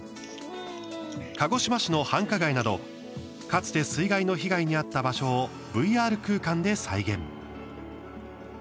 鹿児島市の繁華街などかつて水害の被害に遭った場所をＶＲ空間で再現。